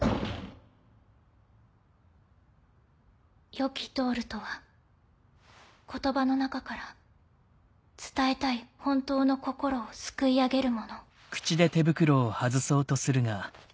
良きドールとは言葉の中から伝えたい本当の心をすくい上げるもの。